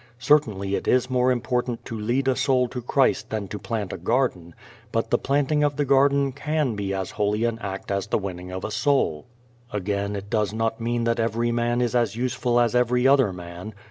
Certainly it is more important to lead a soul to Christ than to plant a garden, but the planting of the garden can be as holy an act as the winning of a soul. Again, it does not mean that every man is as useful as every other man.